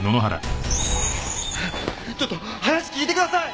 ちょっと話聞いてください！